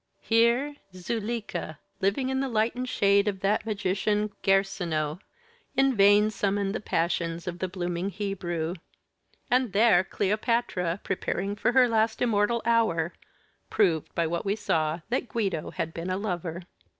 Here Zuleikha, living in the light and shade of that magician Guercino, in vain summoned the passions of the blooming Hebrew; and there Cleopatra, preparing for her last immortal hour, proved by what we saw that Guido had been a lover.